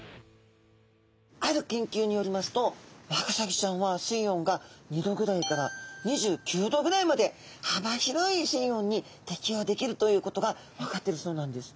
ある研究によりますとワカサギちゃんは水温が２℃ぐらいから２９℃ぐらいまで幅広い水温に適応できるということが分かってるそうなんです。